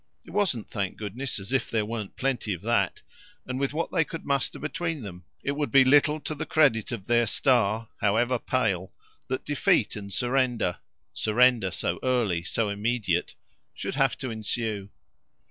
It wasn't, thank goodness, as if there weren't plenty of that "factor" (to use one of his great newspaper words), and with what they could muster between them it would be little to the credit of their star, however pale, that defeat and surrender surrender so early, so immediate should have to ensue.